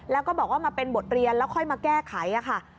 แล้วก็บอกว่ามาเป็นบทเรียนแล้วค่อยมาแก้ไขค่ะ